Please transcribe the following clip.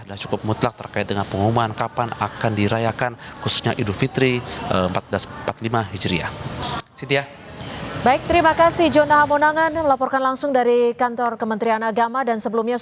sudah cukup mutlak terkait dengan pengumuman